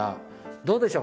どうでしょう？